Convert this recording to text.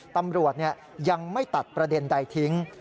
ตำรวจยังไม่ตัดประเด็นใดทิ้ง